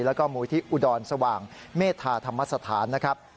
แล้วก็หมู่ทิศอุดรสว่างเมธาธรรมสถาน